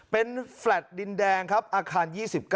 เป็นแฟลต์ดินแดงครับอาคาร๒๙